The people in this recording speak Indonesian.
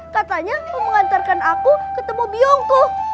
katanya mengantarkan aku ketemu biongkoh